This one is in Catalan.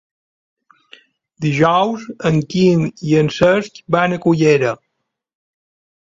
Dijous en Quim i en Cesc van a Cullera.